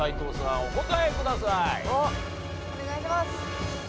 お願いします。